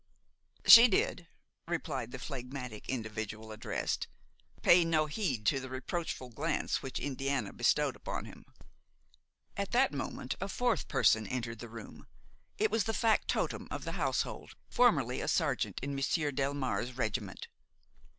"She did," replied the phlegmatic individual addressed, paying no heed to the reproachful glance which Indiana bestowed upon him. At that moment, a fourth person entered the room: it was the factotum of the household, formerly a sergeant in Monsieur Delmare's regiment.